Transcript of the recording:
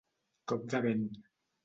Cop de vent.